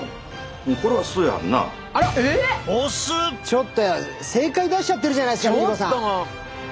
ちょっと正解出しちゃってるじゃないですかＬｉＬｉＣｏさん！